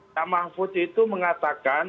tak mahfud itu mengatakan